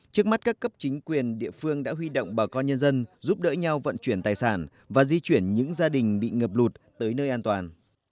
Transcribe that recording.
trước mắt các cấp chính quyền địa phương đã huy động bà con nhân dân giúp đỡ nhau vận chuyển tài sản và di chuyển những gia đình bị ngập lụt tới nơi an toàn